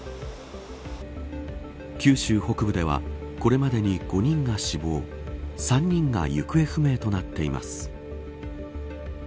九州北部ではこれまでに５人が死亡３人が行方不明となっています。